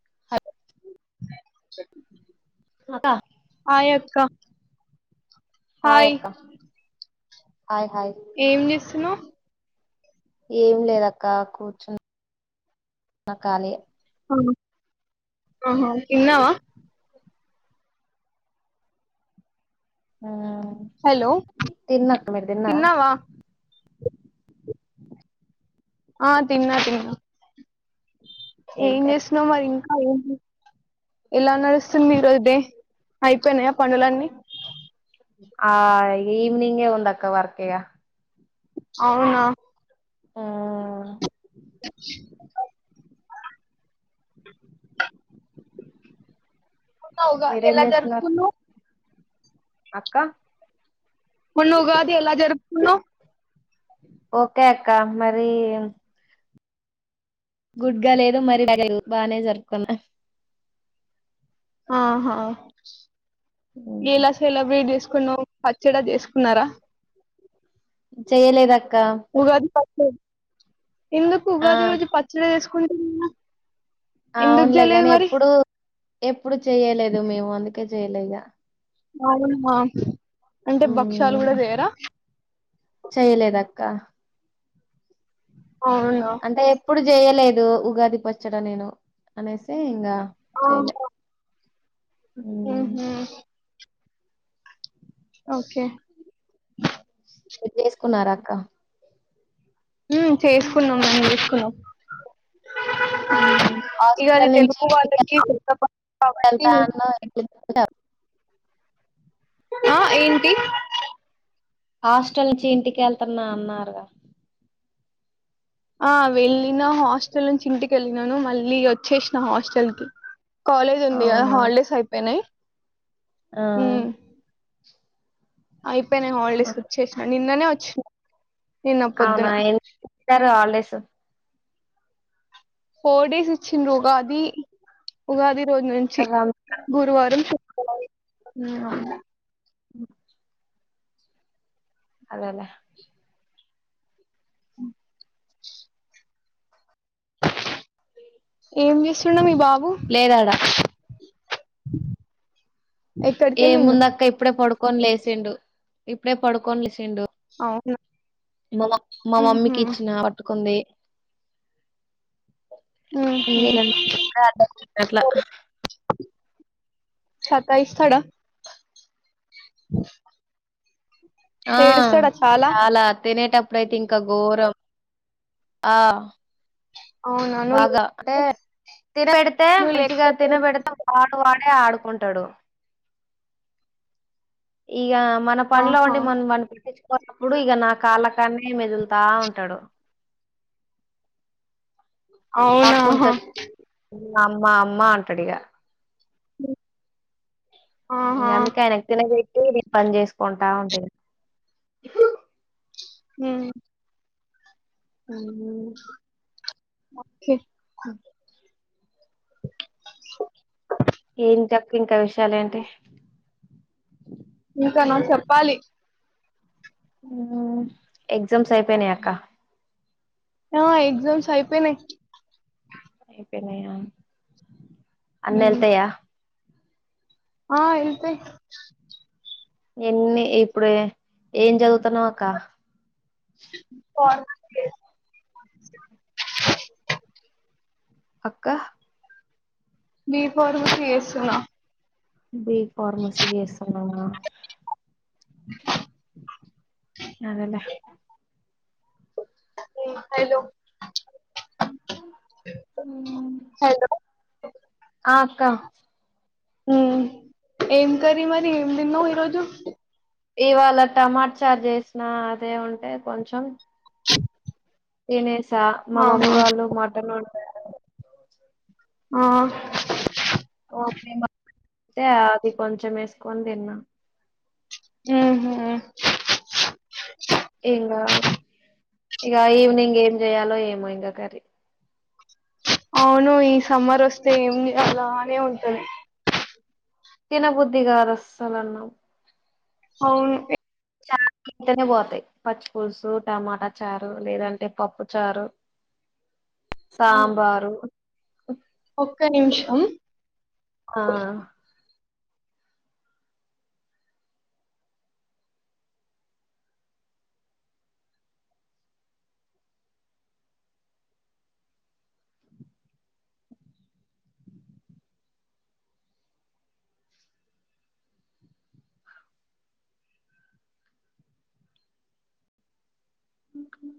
[inaudible] హకా [unintelligible] hi అక్క hi అక్క hi hi ఏం చేస్తున్నావ్ ఏం లేదక్క కూర్చున్న కాలిగ హ కిన్నావా [unintelligible] హూ హలో తిన్న అక్క మీరు తిన్నారా తిన్నావా ఆ తిన్నా తిన్నా ఏం చేస్తున్నావు మరి ఇంకా ఏం ఎలా నడుస్తుంది ఈరోజు డే అయిపోయినాయా పనులన్నీ ఆ ఈవనింగే వుందక్క వర్క్ ఇగా అవునా హ్మ్ [inaudible] అవుగా మీరేం ఎలా చేస్తున్నారు దరకును [unintelligible] అక్క ఇప్పుడు నువ్ ఉగాది ఎలా జరుపుతున్నావు ఓకే అక్క మరీ గుడ్గా లేదు మరి బానే జరుపుకున్నా ఆహా ఎలా సెలబ్రేట్ చేసుకు ఇప్పుడు నువ్ పచ్చడా చేసుకున్నారా చేయలేదు అక్ ఉగాది పచ్చడి ఎందుకు ఆ ఉగాది రోజు పచ్చడి వేసుకుని అవునులే చేయలేదు కాని మరి ఎప్పుడు ఎప్పుడు చేయలేదు మేము అందుకే చేయలేగా మమ్ అంటే భక్ష్యాలు కూడా చేేయరా క్క అవునా ఇప్పుడు చేయలేదు ఉగాది పచ్చడం నేను అనేసి ఇంకా ఆహా మ్మ్ హుహు. ఓకే చేసుకున్నార అక్క చేసుకున్నాం మేం చేసుకున్నాం [unintelligible] ఇగ అది హాస్పిటల్ నుంచి తెలుగు వాళ్ళకి కొత్త పని ఎంత కాబట్టి అ [unintelligible] అద [unintelligible] ఆ ఏంటి హాస్టల్ నుంచి ఇంటికి వెళ్తున్నా అన్నారుగా ఆ వెళ్ళిన హాస్టల్ నుంచి ఇంటికి వెళ్ళినను మళ్ళీ వచ్చేసిన హాస్టల్ కి కాలేజ్ ఉంది కదా హాలిడేస్ అయిపోయినాయి హ్మ్ అయిపోనీ హాల్డేస్ వచ్చేసిన నిన్ననే వచ్చిన నిన్న అవునా పొద్దున ఎందుకు ఇచ్చారు హాలిడేస్ ఫోర్ డేస్ ఇచ్చిండ్రు ఉగాది ఉగాది రోజు నుంచి రం- గురువారం మ్ అవును అ అదేలేే అ ఏం చేస్తుండు మీ బాబు లేదాడా [inaudible] ఎక్కడికి వెళ్ళిండు ఏముందక్క ఇప్పుడే పడుకోని లేసిండు ఇప్పుడే పడుకోనిలేసిండు అవునా మా మా ఉహు మమ్మీకి ఇచ్చిన పట్టుకుంది మ్మ్ హు ఇంగ ఇలా సరే అట్లా సతయిస్తాడ [inaudible] ఆ చాలా తనేటప్ ప్పుడైతే ఇంకా ఘోరం ఆ అవునా నువ్వు బాగా అంటే లేకపోతే తినబెడితే నువ్వు మంచిగా లేకపోతే తినబెడతా వాడే ఆడుకుంటాడు ఇగ మన పన్లో ఆహా ఉండి మనం వాడిని పట్టించుకోన్నప్పుడు ఇగ నా కాళ్ళ తాన్నీ మెదులుతా ఉంటాడు అవునా పాక్కుంటూ ఆహా వచ్చి అమ్మా అమ్మా అంటాడు ఇగ ఇగ ఆహా అందుకే ఆయన తిన్నగజేయ్ వేరే పని జేసుకుంటా ఉంటది మ్మ్ అవునా ఓకే ఒకే ఏంటి అక్క ఇంకా విషయాలు ఏంటి ఇంకా నా చెప్పాలి మ్మ్ ఎగ్జామ్స్ అయిపోయినీ అక్క ఆ ఎగ్జామ్స్ అయిపోయినయ్ అయిపోనీయ అన్ని ఉమ్ ఎళ్తాయా ఆ ఎళ్తయ్ ఎన్ని ఇప్పుడు ఏం చదువుతున్నావు అక్క ఫార్మ కేస్ అక్క బి. ఫార్మసీ చేస్తున్నా బి. ఫార్మసీ చేస్తున్నామా అదేలే హలో హలో [inaudible] ఆ అక్క ఏం కర్రీ మరి ఏం తిన్నావు ఈరోజు ఇవాళ టమాట చార్ జేసిన అదే ఉంటే కొంచెం తేనేసా మా ఆహా మమ్మీ వాళ్ళు మటన్ వండారు ఆ మా మమ్మీ [inaudible] ఇస్తే అది కొంచెం ఎసుకొని తిన్నా అ హ ఇంగ ఇగ ఈవనింగ్ ఏం చేయాలో ఏమో ఇంగ కర్రి అవును ఈ సమ్మర్ వస్తే ఏం ఉంది అలానే ఉంటది తిన బుద్ధి కాదు అస్సల్ అన్నం అవును చార్లు ఉంటేనే పోతయ్ పచ్చి పూలుసు టమాటా చారు లేదంటే పప్పు చారు అ సాంబారు ఒక్క నిమిషం ఆ ఓక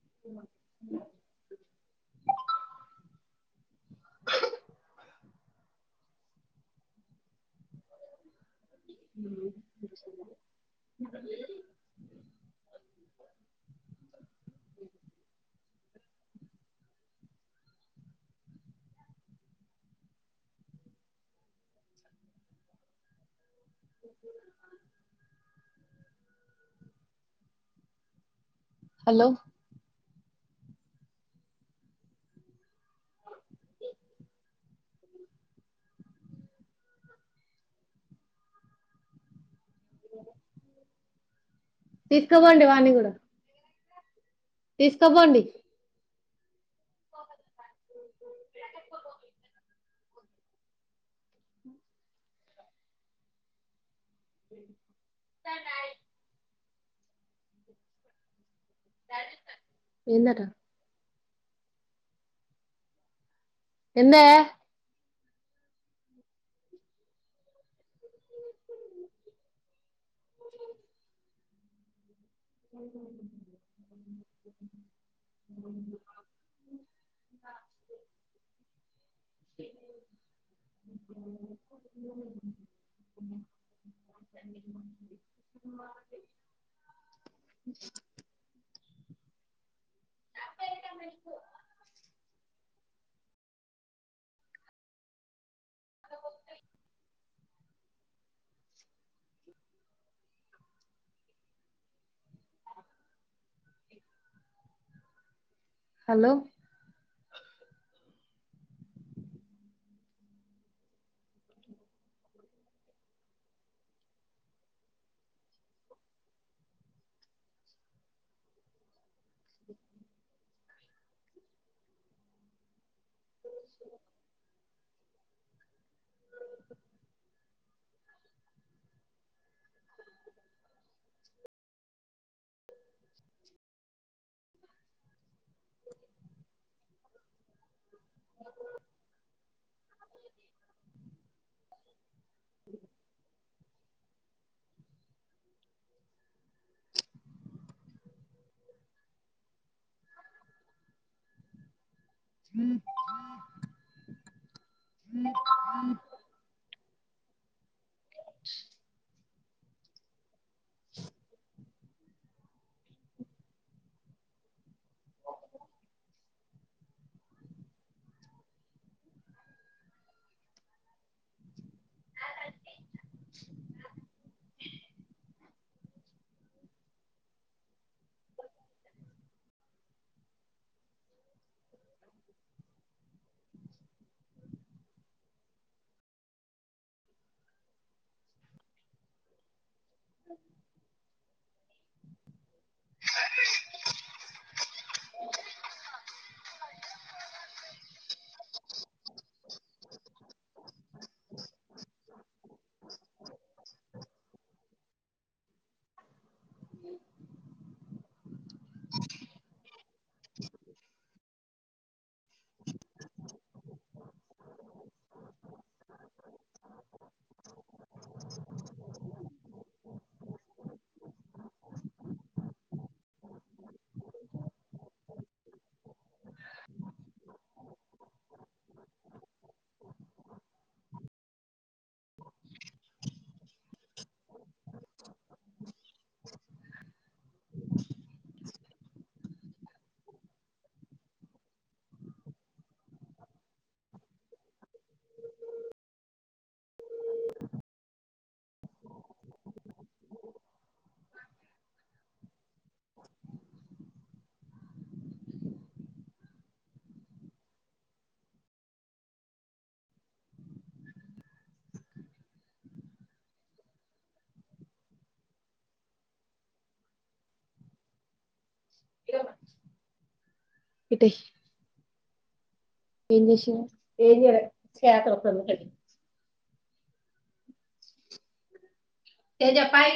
[inaudible] అంది [inaudible] హలో తీసుకపోండి వాన్ని కూడా తీసుకపోండి సరయి ఎందట ఎందే [inaudible] అ అ స [inaudible] [inaudible] ఎ అ [inaudible] హలో [inaudible] [inaudible] [inaudible] [inaudible] [inaudible] [inaudible] [inaudible] ఇటెయ్ ఏం చేసింది తెజ పాయ